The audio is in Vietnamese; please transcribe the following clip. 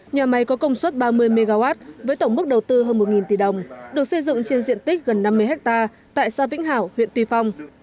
nhà máy có công suất ba mươi mw với tổng mức đầu tư hơn một tỷ đồng được xây dựng trên diện tích gần năm mươi hectare tại xã vĩnh hảo huyện tuy phong